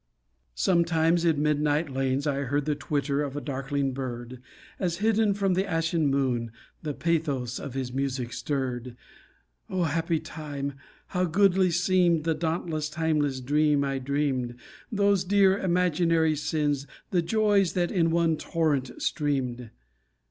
Sometimes in midnight lanes I heard The twitter of a darkling bird, As hidden from the ashen moon, The pathos of his music stirred. O happy time! How goodly seemed The dauntless timeless dream I dreamed, Those dear imaginary sins, The joys that in one torrent streamed.